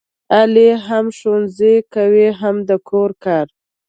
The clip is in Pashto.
علي هم ښوونځی کوي هم د کور کار.